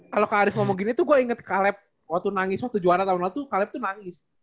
kalau kak arief ngomong gini tuh gue inget caleb waktu nangis waktu juara tahun lalu tuh caleb tuh nangis